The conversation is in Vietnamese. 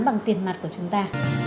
bằng tiền mặt của chúng ta